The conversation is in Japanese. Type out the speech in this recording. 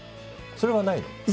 それはないの？